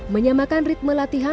menyamakan ritme latihan